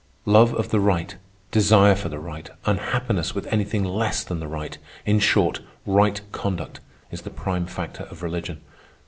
Love of the right, desire for the right, unhappiness with anything less than the right—in short, right conduct, is the prime factor of religion.